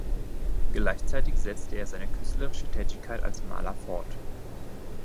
Gleichzeitig setzte er seine künstlerische Tätigkeit als Maler fort.